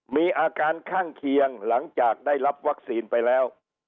มีอาการข้างเคียงหลังจากได้รับวัคซีนไปแล้ว